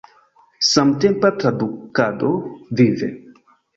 Samtempa tradukado – vive!